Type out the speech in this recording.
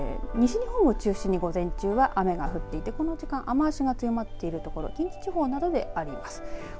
特に西日本を中心に午前中は雨が降っていてこの時間、雨足が強まっている所近畿地方などであります。